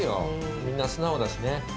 みんな素直だしね。